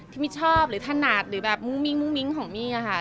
ที่มีชอบหรือถนัดหรือแบบมุ้งมิ้งของมีอ่ะค่ะ